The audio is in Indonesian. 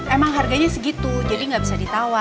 emang harganya segitu jadi nggak bisa ditawar